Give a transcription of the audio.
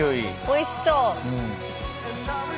おいしそう。